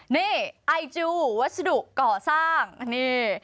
นี่ไอจูวัสดุก่อสร้างนี่